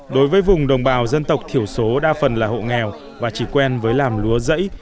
đối với vùng đồng bào dân tộc thiểu số đa phần là hộ nghèo và chỉ quen với làm lúa rẫy